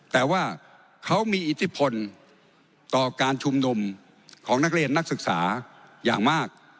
แต่ว่าเขามีอิทธิพลต่อการชุมนุมของนักเรียนนักศึกษาอย่างมาก